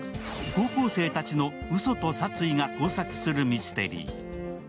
高校生たちのうそと殺意が交錯するミステリー。